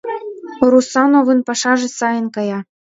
Русановын пашаже сайын кая.